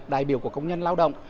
đại biểu của công nhân lao động